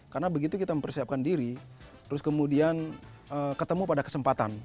karena begitu kita mempersiapkan diri terus kemudian ketemu pada kesempatan